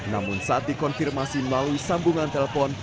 namun saat dikonfirmasi melalui sambungan telepon